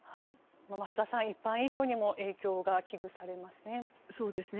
増田さん一般医療にも影響が危惧されますね。